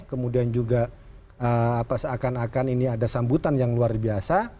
kemudian juga seakan akan ini ada sambutan yang luar biasa